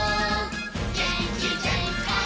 「げんきぜんかい」